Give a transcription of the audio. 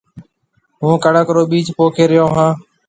هُون ڪڻڪ رو بِيج پوکي ريو هون۔